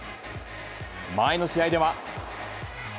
前の試合では。